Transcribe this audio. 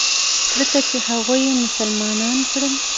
ځکه چې هغوى يې مسلمانان کړل.